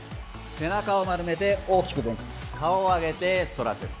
背中を丸めて大きく前屈顔を上げて反らせる。